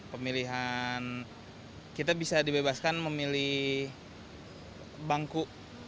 pemilihan kita bisa dibebaskan memilih bangku